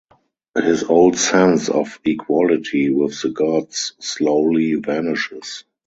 His old sense of equality with the gods slowly vanishes.